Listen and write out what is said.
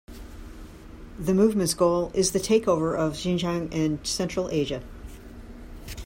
The movement's goal is the takeover of Xinjiang and Central Asia.